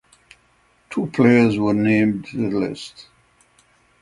Two players were named to the list.